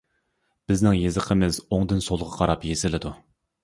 بىزنىڭ يېزىقىمىز ئوڭدىن سولغا قاراپ يېزىلىدۇ.